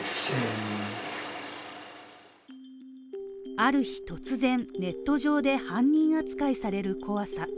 ある日突然ネット上で犯人扱いされる怖さ。